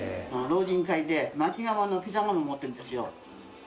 老人会でまき窯のピザ窯持ってるんですよ。